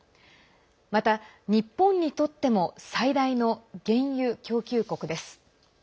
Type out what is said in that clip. また、日本にとっても最大の原油供給国です。